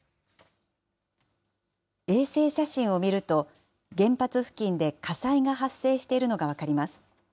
衛星写真を見ると、原発付近で火災が発生しているのが分かります。